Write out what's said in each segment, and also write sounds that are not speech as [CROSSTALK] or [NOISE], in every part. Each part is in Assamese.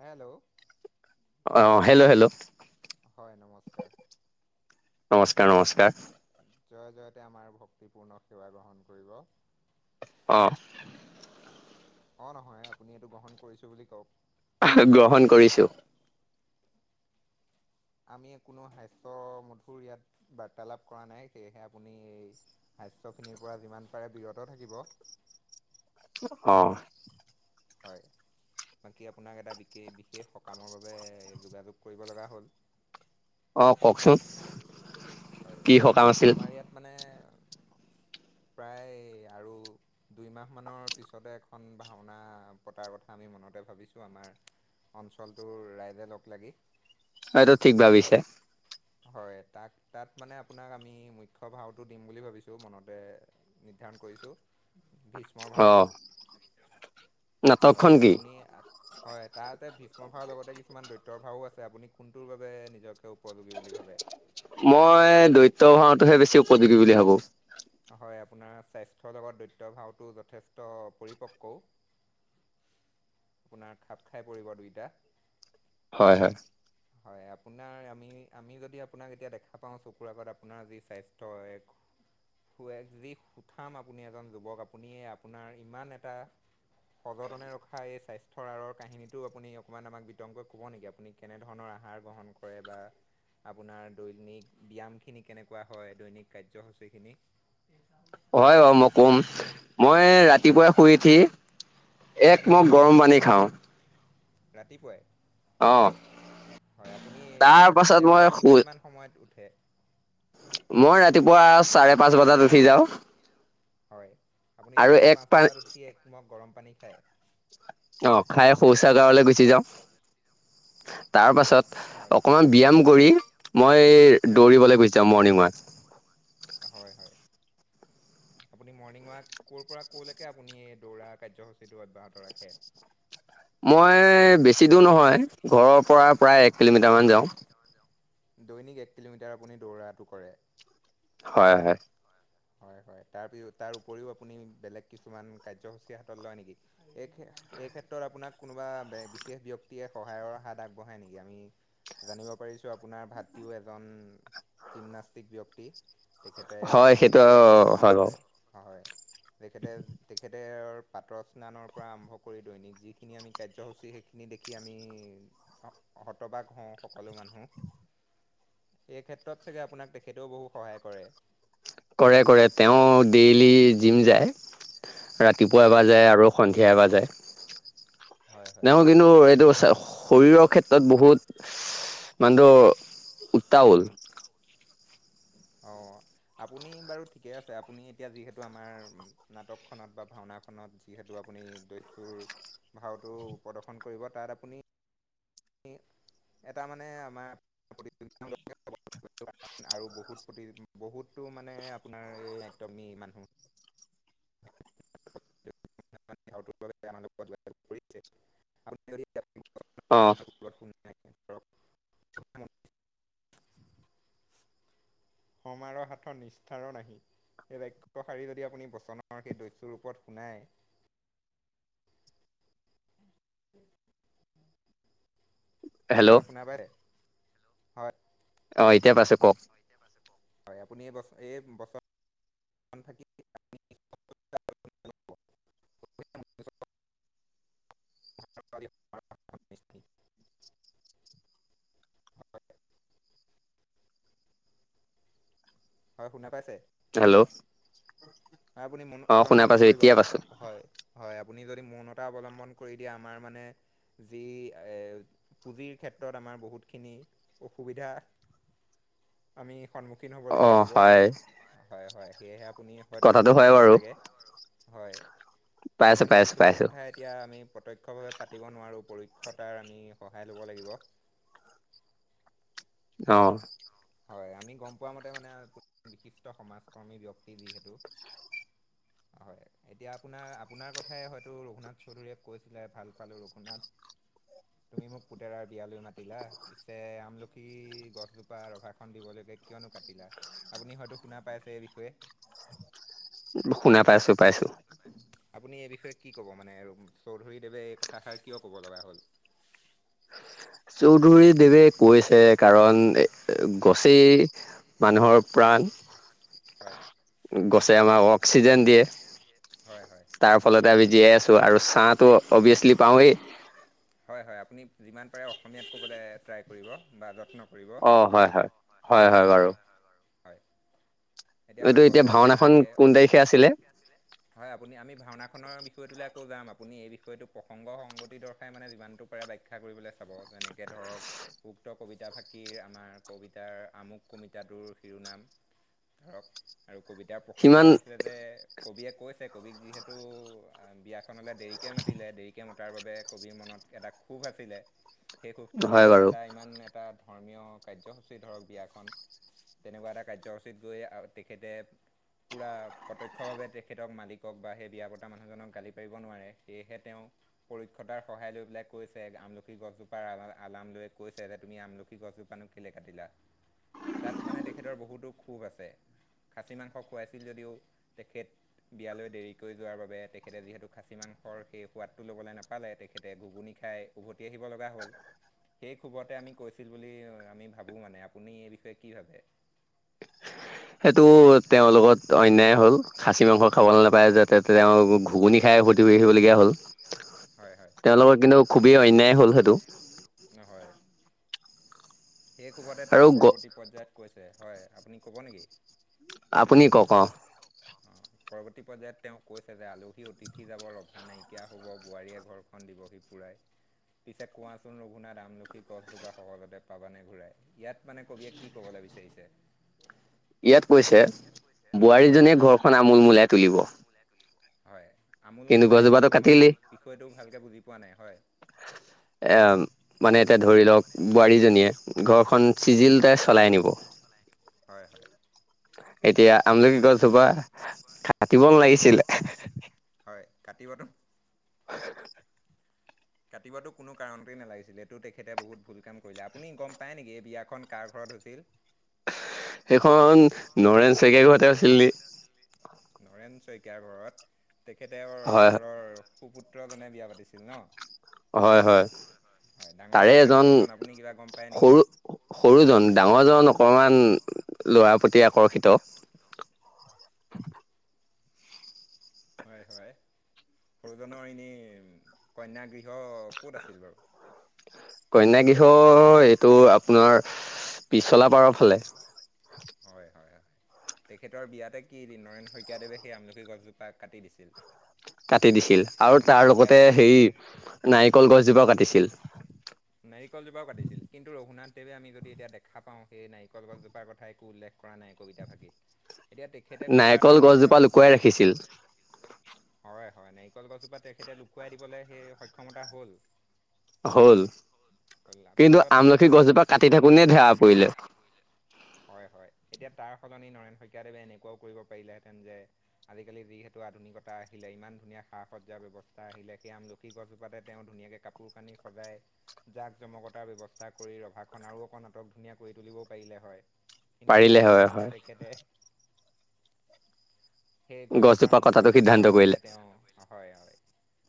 হেল্ল' অ হেল্ল' হেল্ল' হয় নমস্কাৰ স্কাৰ নমস্কাৰ জয় জয়তে আমাৰ ভক্তিপূৰ্ণ সেৱা গ্ৰহণ কৰিব অ অ নহয় আপুনি এইটো গ্ৰহণ কৰিছো বুলি কওক গ্ৰহণ কৰিছো আমি কোনো হাস্য মধুৰ ইয়াত বাৰ্তালাপ কৰা নাই সেয়েহে আপুনি হাস্যখিনিৰ পৰা যিমান পাৰে বিৰত থাকিব অহ হয়। বাকী আপোনাক এটা বিকে-বিশেষ সকামৰ বাবে যোগাযোগ কৰিব লগা হ'ল। অ', কওকচোন। হয়, কি সকাম আছিল আমাৰ ইয়াত মানে প্ৰায় আৰু দুইমাহমানৰ পিছতে এখন ভাওনা পতাৰ কথা আমি। মনতে ভাবিছোঁ আমাৰ অঞ্চলটোৰ ৰাইজে লগ লাগি। এইটো ঠিক ভাবিছে। হয় তাক তাত মানে আপোনাক আমি মুখ্য ভাওটো দিম বুলি ভাবিছো মনতে নিৰ্ধা নিৰ্ধাৰণ কৰিছোঁ ভীষ্মৰ ভাওটো অ'। নাটকখন হয় কি আপুনি হয় তাতে ভীষ্ম ভাৱৰ লগতে কিছুমান দৈত্যৰ ভাও আছে আপুনি কোনটোৰ বাবে নিজকে উপযোগী বুলি ভাবে মই দৈত্য ভাওটোহে বেছি উপযোগী বুলি ভাবো হয় আপোনাৰ স্বাস্থ্যৰ লগত দৈত্য ভাওটো যথেষ্ট পৰিপক্কও আপোনাৰ খাপ খাই পৰিব দুইটা। হয় হয়। হয় আপোনাৰ আমি আমি যদি আপোনাক এতিয়া দেখা পাওঁ চকুৰ আগত আপোনাৰ যি স্বাস্থ্য এক [UNINTELLIGIBLE] খাম আপুনি এজন যুৱক আপুনি আপোনাৰ ইমান এটা সগতনে ৰখা এই স্বাস্থ্যৰ আঁৰৰ কাহিনীটো আপুনি অকনমান আমাক বিতৰংকৈ কব নেকি আপুনি কেনে ধৰণৰ আহাৰ গ্ৰহণ কৰে বা আপোনাৰ দৈনিক ব্যায়াম খিনি কেনেকুৱা হয়, দৈনিক কাৰ্যসূচী খিনি? হয় হয় মই ক'ম, মই ৰাতিপুৱাই শুই উঠি এক হয় মগ গৰম পানী খাওঁ। ৰাতিপুৱাই? অ'। হয় আপুনি তাৰ পাছত নিদ্ৰাৰ মই পৰা শুই কিমান মান সময়ত উঠে? মই ৰাতিপুৱা চাৰে পাঁচ বজাত উঠি যাওঁ। হয়, আপুনি আৰু চাৰে এক পাঁচ পা বজাত উঠি এক মগ গৰম পানী খায়? অ', খাই শৌচাগাৰলৈ গুচি হয় যাওঁ। তাৰপাছত হয় অকণমান ব্যায়াম কৰি মই হয় দৌৰিবলৈ গৈছা মৰ্ণিংত। হয় হয়। আপুনি মৰ্ণিং ৱাক ক'ৰ পৰা ক'লৈকে আপুনি এই দৌৰা কাৰ্যসূচীটো অব্যাহত ৰাখে? মই বেছি দূৰ নহয় ঘৰৰ পৰা প্ৰায় এক কিলোমিটাৰ মান যাওঁ। দৈনিক এক কিলোমিটাৰ আপুনি দৌৰাটো কৰে। হয় হয়। হয় হয়। তাৰপিছত তাৰ উপৰিও আপুনি বেলেগ কিছুমান কাৰ্যসূচী হাতত লয় নেকি? এই ক্ষে এই ক্ষেত্ৰত আপোনাক কোনোবা বে-বিশেষ ব্যক্তিয়ে সহায়ৰ হাত আগবঢ়াই নেকি? আমি জানিব পাৰিছোঁ আপোনাৰ ভাতৃও এজন জিমনাষ্টিক ব্যক্তি। তেখেতে হয় যি সেইটো কাৰ্যসূচী হয় হয়। তেখেতে তেখেতে পাতৰ স্নানৰ পৰা আৰম্ভ কৰি দৈনিক যিখিনি আমি কাৰ্যসূচী দেখি দেখি আমি হ-হতবাগ হওঁ সকলো মানুহে। এই ক্ষেত্ৰত চাগে আপোনাক তেখেতেও বহু সহায় কৰে কৰে কৰে তেওঁ ডেইলি জিম যায়। ৰাতিপুৱা হয় হয়। এবাৰ যায় আৰু সন্ধিয়া এবাৰ যায়। হয় হয় তেওঁ কিন্তু এইটো শৰীৰৰ ক্ষেত্ৰত বহুত মানু্হটো উটাউল। উ অ', আপুনি বাৰু ঠিকে আছে, আপুনি এতিয়া যিহেতু আমাৰ নাটকখনত বা ভাওনাখনত যিহেতু আপুনি দস্যুৰ ভাওটো প্ৰদৰ্শন কৰিব তাত আপুনি ই এটা মানে আমাৰ প্ৰতিযোগ [INAUDIBLE] [UNINTELLIGIBLE] আৰু বহুত প্ৰতিযোগি বহুতো মানে আপোনাৰ এই নাত্তিয় আমি মানুহ [INAUDIBLE] [UNINTELLIGIBLE] [UNINTELLIGIBLE] [UNINTELLIGIBLE] [UNINTELLIGIBLE] অ'হ সমাৰ হাতৰ নিষ্ঠাৰ নাহি সেই বাক্যশাৰী যদি আপুনি বচনৰ সেই দস্যুৰ ওপৰত শুনায় [UNINTELLIGIBLE] হেল্ল' হয় শুনা বাই হয় অ', এতিয়া পাইছোঁ কওক? হয় আপুনি এই বছ এই বছৰ [INAUDIBLE] [INAUDIBLE] [INAUDIBLE] হয় শুনা পাইছে? হেল্ল' হে আপুনি মনো অ শুনা পলমন পাইছো নকৰিব এতিয়া ম পাইছো হয় হয় আপুনি যদি মৌনতা অৱলম্বন কৰি দিয়ে আমাৰ মানে যি এ পুঁজিৰ ক্ষেত্ৰত আমাৰ বহুতখিনি অসুবিধা আমি সন্মুখীন হব অ লগীয়া হ'ব হয় হয় হয় সেয়েহে আপুনি হয়তো কথাটো বুজি হয় পাইছে বাৰু চাগে হয় আমি পাইছো মানে পাইছো কিছুমান পাইছো কথা এতিয়া আমি প্ৰত্যক্ ক্ষভাৱে পাতিব নোৱাৰোঁ পৰোক্ষতাৰ আমি সহায় ল'ব লাগিব অ হয় আমি গম পোৱা মতে মানে বিশিষ্ট সমাজ কৰ্মী ব্যক্তি যিহেতু [UNINTELLIGIBLE] হয় এতিয়া আপোনাৰ আপোনাৰ কথাই হয়তো ৰঘুনাথ চৌধুৰীয়ে কৈছিলে ভাল পালোঁ ৰঘুনাথ তুমি মোক পুতেৰাৰ বিয়ালৈ মাতিলা পিছে আমলখি গছজোপা ৰভা খন দিবলৈকে কিয়নো কাটিলা আপুনি হয়তো শুনা পাইছেই এই বিষয়ে উম শুনা পাইছো পাইছো আপুনি এই বিষয়ে কি ক'ব মানে আৰু চৌধুৰীদেৱে এই কথাষাৰ কিয় ক'ব লগা হ'ল [UNINTELLIGIBLE] চৌধুৰী দেৱে কৈছে কাৰণ এ গছেই মানুহৰ প্ৰা হয় প্ৰাণ গছে আমাক অক্সিজেন দিয়ে হয় হয়। তথাপি জীয়াই আছো আৰু চাহটো অবিত্ৰছলি পাওঁৱেই। হয় হয় আপুনি যিমান পাৰে অসমীয়াত ক'বলৈ ট্ৰাই কৰিব বা যত্ন কৰিব অ হয় হয় হয় হয় বাৰু। এতিয়া আমাক এইটো গছে চাহ ভাওনাখন দিয়ে, কোন তাৰিখে আছিলে হয় আপুনি আমি ভাওনাখনৰ বিষয়টোলৈ আকৌ যাম আপুনি এই বিষয়টো সংঘ সংগতি দৰ্শাই মানে যিমানটো পাৰে ব্যাখ্যা কৰিবলৈ চাব যেনেকৈ ধৰক উক্ত কবিতাভাষি আমাৰ কবিতাৰ আমুক কবিতাটোৰ শিৰোনাম ধৰ আৰু কবিতাৰ প্ৰসংগ সিমান হৈছিলে যে কবিয়ে কৈছে কবি যিহেতু বিয়াখনলৈ দেৰিকে মাতিলে দেৰি শিকে মতাৰ বাবে কবিৰ মনত এটা সুভ আছিলে সেই শুভটোতো হয় এতিয়া বাৰু এটা ইমান এটা ধৰ্মীয় কাৰ্যসূচী ধৰক বিয়াখন তেনেকুৱা এটা কাৰ্যসূচীত গৈ আহ তেখেতে পুৰা প্ৰত্যক্ষভাৱে তেখেতক মালিকক বা সেই বিয়া পতা মানুহজনক গালি পাৰিব নোৱাৰে সেয়েহে তেওঁ পৰীক্ষতাৰ সহায় লৈ পেলাই কৈছে আমলখি গছজোপাৰ আলাম লৈ কৈছে যে তুমি আমলি গছ জোপা নু কিয় কাটিলা তাত মানে তেখেতৰ বহুতো খোব আছে। খাচী মাংস খুৱাইছিল যদিও তেখেত বিয়ালৈ দেৰিকৈ যোৱাৰ বাবে তেখেতে যিহেতু খাচী মাংসৰ সেই সোৱাদটো ল'বলৈ নাপালে তেখেতে ঘুগুনি খাই উভতি আহিব লগা হ'ল সেই খুবতে আমি কৈছিল বুলি আমি ভাবোঁ মানে, আপুনি এই বিষয়ে কি ভাবে? সেইটো তেওঁৰ লগত অন্যায় হ'ল, খাচী মাংস খাবলৈ নাপায় যাতে তেওঁ ঘুগুনি খাই উভতি আহিবলগীয়া হ'ল। হয় হয় তেওঁলোকৰ কিন্তু খুবেই অন্যায় হ'ল সেইটো হয়। সেই কোভতে তেওঁ আৰু গ পৰৱৰ্তী পৰ্যায়ত কৈছে। হয়। আপুনি ক'ব নেকি? আপুনি কওক। অ অঁ পৰৱৰ্তী পৰ্যায়ত তেওঁ কৈছে যে- আলহী অতিথি যাব, ৰভা নাইকিয়া হ'ব, বোৱাৰীয়ে ঘৰখন দিব [UNINTELLIGIBLE] পিছে কোৱাচোন ৰঘুনাথ আমলখি গছজোপা সহজতে পাবা নে ঘূৰাই ইয়াত মানে কবিয়ে কি ক'বলৈ বিচাৰিছে। ইয়াত কৈছে হয় বোৱাৰীজনীয়ে ঘৰখন আমোল মোলাই তুলিব। হয়। আমোল কিন্তু মোলাই গছজোপাটো তুলিব মানে মই কাটিলি বিষয়টোও ভালকে বুজি পোৱা নাই হয়। এ মানে এতিয়া ধৰি লওক বোৱাৰীজনীয়ে ঘৰখন চিজিলতে চলাই আনিব। হয় হয় এতিয়া আমলকি গছজোপা কাটিব নালাগিছিলে। কাটিবতো হে হে হে কাটিবাতো কোনো কাৰণতেই নালাগিছিলে এইটো তেখেতে বহুত ভুল কাম কৰিলে। আপুনি গম পায় নেকি এই বিয়াখন কাৰ ঘৰত পদ্ধতি সেইখন নৰেন চেকেগোহতে আছিল নেকি? হৰেন শইকীয়াৰ ঘৰত, হয় তেখেততেৰ ঘৰৰ সুপুত্ৰজনে বিয়া পাতিছিল ন হয়। হয়। হয় তাৰে ডাঙৰজন নে এজন সৰুজন আপুনি কিবা গম পায় নেকি সৰু, সৰুজন ডাঙৰ জন অকণমান ল'ৰাৰ প্ৰতি আকৰ্ষিত। ব [UNINTELLIGIBLE] [UNINTELLIGIBLE] হয়। হয়। সৰুজনৰ এনেই কন্যাগৃহ ক'ত আছিল বাৰু? কন্যাগৃহ এইটো আপোনাৰ পিছলা পাৰৰ ফালে। হয় হয় হয় তেখেতৰ বিয়াতে কি, নৰেন শইকীয়াদেৱে সেই আমলখি গছজোপা কাটি দিছিল? কাটি দিছিল আৰু তাৰ এতিয়া লগতে যদি হেই নাৰিকল গছজোপাও কাটিছিল। নাৰিকলজোপাও কাটিছিল। কিন্তু ৰঘুনাথদ দেৱে আমি যদি এতিয়া দেখা পাওঁই, নাৰিকলছজোপাৰ কথা একো উল্লেখ কৰা নাই কবিতাফাকি এতিয়া তেখেতে নাৰিকল কোৱাৰ গছজোপা অন্তৰালত। লুকুৱাই [UNINTELLIGIBLE] ৰাখিছিল হয়। হয়। নাৰিকল গছৰপ পৰা তেখেতে লুকুৱাই দিবলৈ সেই সক্ষমতা হ'ল। হল হ'ল কিন্তু পিছত মানে আমলখি গছজোপা কাটি থাকোনে ধেৰা পৰিলে। হয়। হয়। এতিয়া তাৰ সলনি নৰেন শইকীয়াদৱে এনেকুৱও কৰিব পাৰিলেহেঁতেন, যে আজিকালি যিহেতু আধুনিকতা আহিলে। ইমান ধুনীয়া সা-সজ্জাৰ ব্যস্থা আহিলে। সেই আমলখি গছজোপাতে তেওঁ ধুনীয়াকে কাপোৰ কানি সজায় জাক জমকতাৰ ব্যৱস্থা কৰি ৰভা খন আৰু অক নাটক ধুনীয়া কৰি তুলিবও পাৰিলে হয়। কিন্তু পাৰিলে তাৰ হয় পৰিৱৰ্তে হয় তেখেতে সেই গছজোপাৰ গছজোপা মুণ্ড কটাটো চছেদ সিদ্ধান্ত কৰাটোহে কৰিলে তেওঁ, হয়। হয়।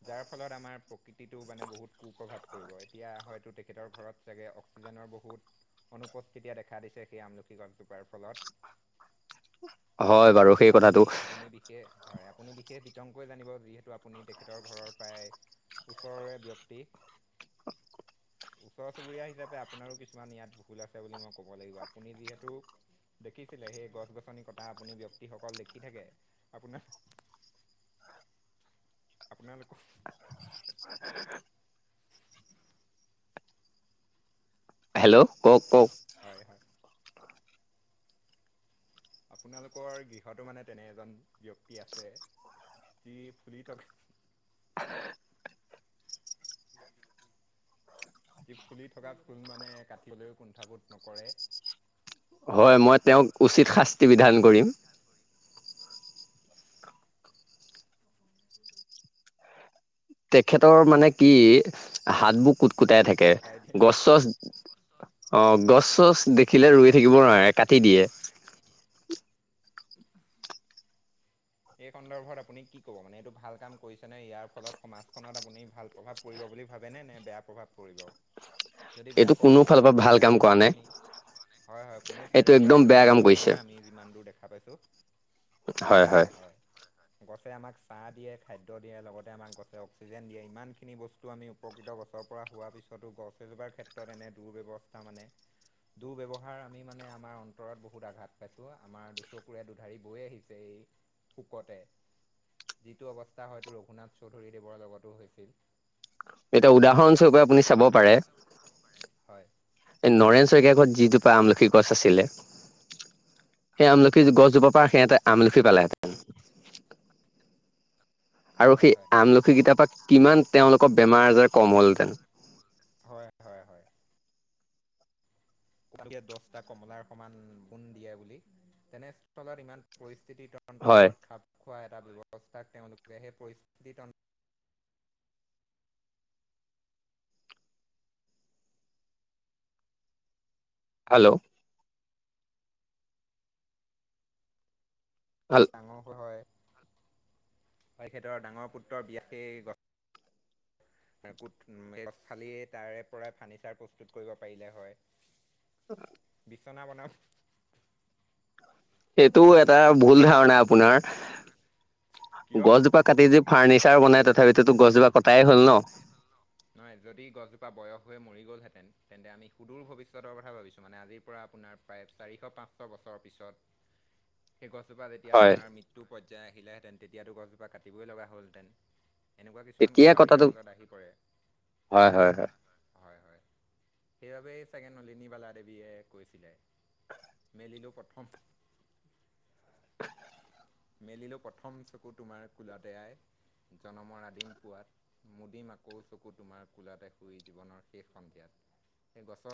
যাৰ ফলত আমাৰ প্ৰকৃতি টো মানে বহুত কুপ্ৰভাৱ এতিয়া হয়ো তেখেতৰ ঘৰত চাগে অক্সিজেনৰ বহুত অনুপস্থতি দেখা দিছে, সেই আমলখি গছ জোপাৰ ফলত। হয় বাৰু সেই আপুনি কথাটো আপুনি বিশেষ হয় আপুনি বিশেষ বিতংকৈ জানিব যিহেতু আপুনি তেখেতৰ ঘৰৰ প্ৰায় ওচৰৰে ব্যক্তি। [INAUDIBLE] ওচৰ চুবুৰীয়া হিচাপে আপোনাৰো কিছুমান ইয়াত ভুল আছে বুলি মই ক'ব লাগিব আপুনি যিহেতু দেখিছিলে সেই গছ-গছনি কটা আপুনি ব্যক্ত ক্তিসকল দেখি থাকে। আপোনা আপোনালোকক হেল্ল' কওক কওক? হয় হয় আপোনালোকৰ গৃহতো মানে তেনে এজন ব্যক্তি আছে। যি ফুলি তাক যি ফুলি থকা ফুল মানে কাটিবলৈও কুণ্ঠাবোধ নকৰে হয়। মই তেওঁক উচিত শাস্তি বিধান কৰিম। তেখেতৰ মানে কি হাতবোৰ কুট কুটাই বস্তু থাকে সৰকাই দিয়ে গছ-চছ অ গছ চছ খিলে ৰুই থাকিব নোৱাৰে, কাটি দিয়ে। উম [UNINTELLIGIBLE] এই সন্দৰ্ভত আপুনি কি কব মানে? এইটো ভাল কাম কৰিছে নে, ইয়াৰ ফলত সমাজখনত আপুনি ভাল প্ৰভাৱ পৰিব বুলি ভাবেনে নে বেয়া প্ৰভাৱ পৰিব। যদি এইটো বেয়া কোনো প্ৰভাৱ ফালৰ পৰিব পৰা সেই ভাল বেয়া কাম কৰা প্ৰভাৱ নাই খিনি হয় হয় কোনো চাইডৰ পৰা একদম এইটো বেয়া ভাল কাম কৰিছে নহয় আমি যিমান দূৰ দেখা পাইছো। হয় হয়। গছে আমাক চাহ দিয়ে খাদ্য দিয়ে লগতে আমাক গছে অক্সিজেন দিয়ে ইমান খিনি বস্তু আমি উপকৃত গছ পৰা হোৱা পিছতো গছ এজোপাৰ ক্ষেত্ৰত এনে দুৰ্বস্থা মানে দু ব্যৱহাৰ আমি মানে আমাৰ অন্তৰত বহুত আঘাত পাইছোঁ আমাৰ দুচকুৰে দুধাৰি বৈ আহিছে এই শুকতে যিটো অৱস্থা হয়তো ৰঘুনাথ চৌধুৰীদেৱৰ লগতো হৈছিল। এতিয়া আমি উদাহৰণস্বৰপে আপুনি সাম্প্ৰতিক চাব পাৰে হয় এই নৰেন শইকীয়া ঘত যিজোপা আমলখি গছ আছিলে। সেই আমলখি গছজোপা পা সেহেতে আমলখি পালেহেঁতে তেন। আৰু সেই হয় হয় আমলখি কেইটাৰ পৰা কিমান তেওঁলোকৰ বেমাৰ আজাৰ কম হ'লহেতেন হয় হয় হয় কে দছটা কমলাৰ সমান সোণ দিয়া বুলি তেনেস্থলত ইমান পৰিচ পৰিস্থিতি তন্ত্ৰৰ হয় লগত খাপ খোৱা এটা ব্যৱস্থাক তেওঁলোকে সেই পৰিস্থিতি তন্ হেল্ল' হেল্ল' ডাঙকৈ হয় তেখেতৰ ডাঙৰ পুত্ৰৰ বিয়াতেই গ এ কোট উম গছ ফালিয়েই তাৰে পৰাই ফাৰ্ণিচাৰ প্ৰস্তুত কৰিব পাৰিলে হয় হয় বিচনা বনাম এইটো এটা ভুল ধাৰণা আপোনাৰ কিয় গছজোপা কাটি যে ফাৰ্ণিচাৰ বনাই তথাপিটোতো গছজোপা কটাই হ'ল ন নহয় যদি গছজোপা বয়স হৈ মৰি গ'লহেঁতেন তেন্তে আমি সুদূৰ ভৱিষ্যতৰ কথা ভাবিছো মানে আজিৰ পৰা আপোনাৰ প্ৰায় চাৰিশ পাচঁশ বছৰৰ পিছত সেই গছজোপা যেতিয়া হয় আপোনাৰ মৃত্যু পৰ্যায় আহিলেহেঁতেন তেতিয়াতো গছজোপা কাটিবই লগা হ'লহেঁতেন এনেকুৱা কিছুমান তেতিয়া কথাও কথাটো ইয়াৰ মাজত আহি পৰে হয় হয় হয় হয় হয় সেইবাবেই চাগে নলিনীবালা দেৱীয়ে কৈছিলে মেলিলোঁ প্ৰথম [UNINTELLIGIBLE] মেলিলো প্ৰথম চকু তোমাৰ কোলাতে আই জনমৰ আদিম পুৱাত মুদিম আকৌ চকু তোমাৰ কোলাতে শুই জীৱনৰ শেষ সন্ধিয়াত সেই গছত